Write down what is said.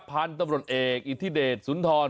พันธุ์ตำรวจเอกอิทธิเดชสุนทร